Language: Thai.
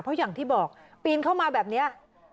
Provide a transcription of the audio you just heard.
เพราะอย่างที่บอกปีนเข้ามาแบบนี้